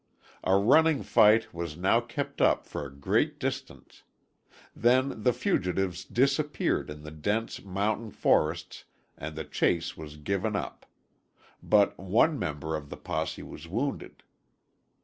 A running fight was now kept up for a great distance. Then the fugitives disappeared in the dense mountain forests and the chase was given up. But one member of the posse was wounded.